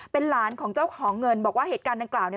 เป็นหลานของเจ้าของเงินบอกว่าเหตุการณ์ดังกล่าวเนี่ย